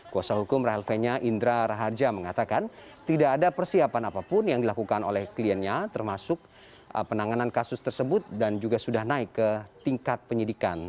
kuasa hukum rahel fenya indra rahaja mengatakan tidak ada persiapan apapun yang dilakukan oleh kliennya termasuk penanganan kasus tersebut dan juga sudah naik ke tingkat penyidikan